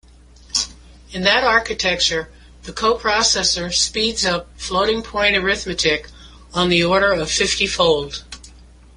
In that architecture, the coprocessor speeds up floating-point arithmetic on the order of fiftyfold.